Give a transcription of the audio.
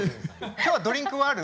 今日はドリンクはある？